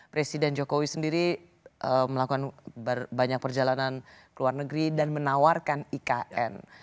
presiden jokowi sendiri melakukan banyak perjalanan ke luar negeri dan menawarkan ikn